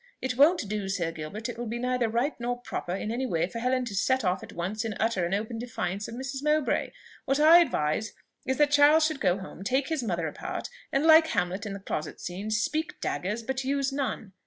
It won't do, Sir Gilbert; it will be neither right nor proper in any way for Helen to set off at once in utter and open defiance of Mrs. Mowbray. What I advise is, that Charles should go home, take his mother apart, and, like Hamlet in the closet scene, 'speak daggers, but use none.'